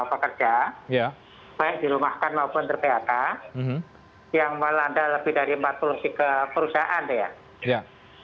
satu tiga juta karyawan atau pekerja baik dirumahkan maupun terpihakkan yang melanda lebih dari empat puluh tiga perusahaan ya